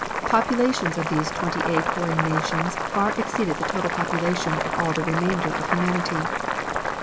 Populations of these twenty eight warring nations far exceeded the total population of all the remainder of humanity.